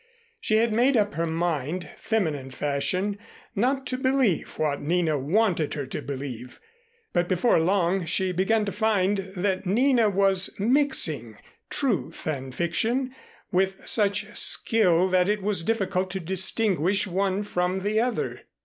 She had made up her mind, feminine fashion, not to believe what Nina wanted her to believe; but before long she began to find that Nina was mixing truth and fiction with such skill that it was difficult to distinguish one from the other.